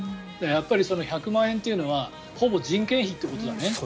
やっぱりその１００万円というのはほぼ人件費ということだね。